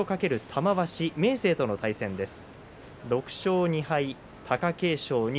今日は明生との対戦です。